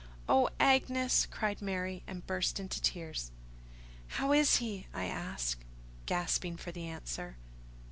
"Oh, Agnes!" cried Mary, and burst into tears. "How is he?" I asked, gasping for the answer.